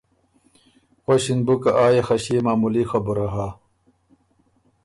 غؤݭِن بُو که آ يې خه ݭيې معمولي خبُره هۀ۔